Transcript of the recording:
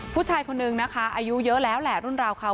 ผู้ชายคนนึงนะคะอายุเยอะแล้วแหละรุ่นราวเขา